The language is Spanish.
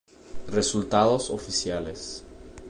Resultados oficiales